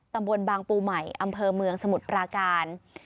ตำบลบางปูใหม่อำเภอเมืองสมุทรปราการ